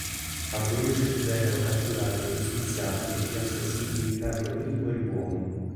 A Bruges vennero catturati e giustiziati gli assassini di Carlo I il Buono.